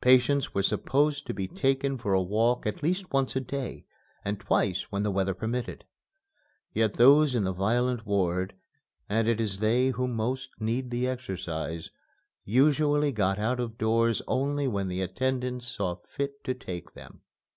Patients were supposed to be taken for a walk at least once a day, and twice, when the weather permitted. Yet those in the violent ward (and it is they who most need the exercise) usually got out of doors only when the attendants saw fit to take them.